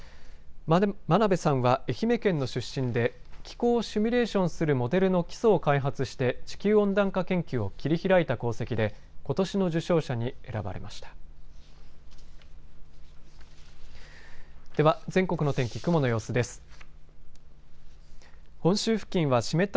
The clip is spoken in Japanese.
真鍋さんは愛媛県の出身で気候をシミュレーションするモデルの基礎開発して地球温暖化研究を切り開いた功績でことしの受賞者に選ばれました。